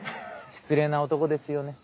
失礼な男ですよね。